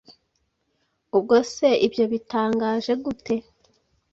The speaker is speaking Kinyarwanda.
Ubwose ibyo bitangaje gute